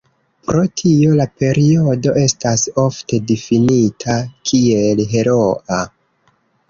Pro tio la periodo estas ofte difinita kiel "heroa".